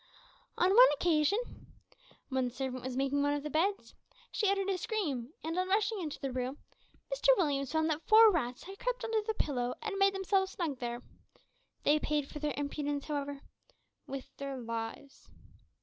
On one occasion, when the servant was making one of the beds, she uttered a scream, and, on rushing into the room, Mr Williams found that four rats had crept under the pillow and made themselves snug there. They paid for their impudence, however, with their lives.